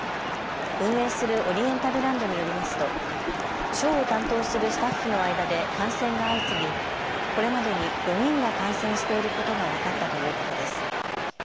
運営するオリエンタルランドによりますとショーを担当するスタッフの間で感染が相次ぎこれまでに４人が感染していることが分かったということです。